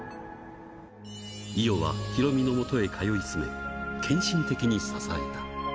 伊代はヒロミのもとへ通い詰め、献身的に支えた。